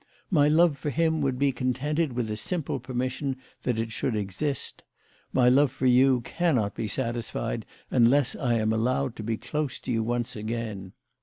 My love for him would be contented with a simple permission that it should exist. My love for you cannot be satisfied unless I am allowed to be close to you once again.